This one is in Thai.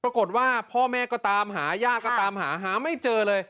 ปรากฏว่าพ่อแม่ก็ตามหายากก็ตามหาหาไม่เจอเลย